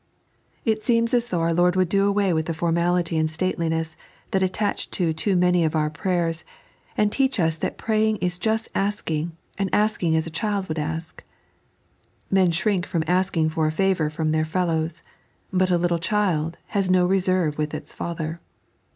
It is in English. It seems as though our Lord would do away with the formality and stateliness that attach to too many of our prayers, and teach us that praying is just asking, and asking as a child would ask. Men shrink from asking for a favour from their fellows, but a little child has no reserve with its father.